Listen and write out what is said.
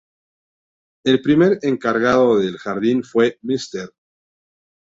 El primer encargado del jardín, fue Mr.